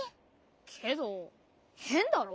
けどへんだろ？